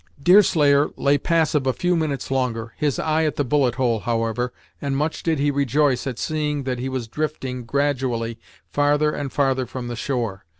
Deerslayer lay passive a few minutes longer, his eye at the bullet hole, however, and much did he rejoice at seeing that he was drifting, gradually, farther and farther from the shore.